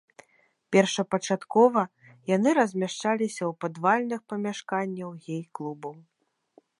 Першапачаткова яны размяшчаліся ў падвальных памяшканнях гей-клубаў.